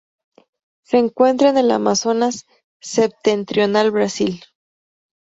Se encuentra en el Amazonas septentrional, Brasil.